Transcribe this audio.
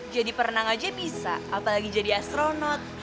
jadi perenang aja bisa apalagi jadi astronot